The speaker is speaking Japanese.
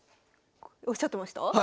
おっしゃってました？